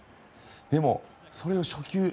でも、それを初球